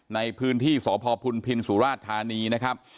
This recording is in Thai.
ในพื้นที่สพพุนพินสุราชธานีนะครับ